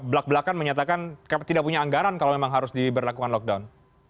belak belakan menyatakan tidak punya anggaran kalau memang harus diberlakukan lockdown